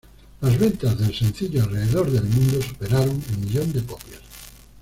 Las ventas del sencillo alrededor del mundo superaron el millón de copias.